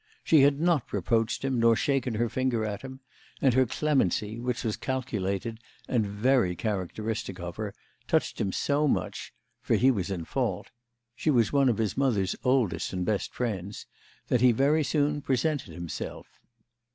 She had not reproached him nor shaken her finger at him, and her clemency, which was calculated and very characteristic of her, touched him so much—for he was in fault, she was one of his mother's oldest and best friends—that he very soon presented himself.